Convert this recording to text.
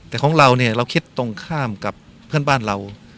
แต่ของเราเนี่ยเราคิดตรงข้ามกับเพื่อนบ้านเรา